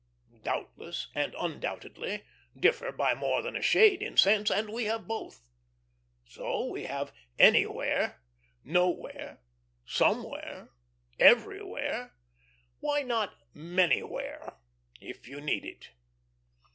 "Doubtless" and "undoubtedly" differ by more than a shade in sense, and we have both. So we have "anywhere," "nowhere," "somewhere," "everywhere;" why not "manywhere," if you need it?